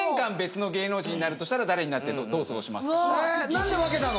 何で分けたの？